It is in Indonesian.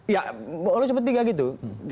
ya mulai sepertiga gitu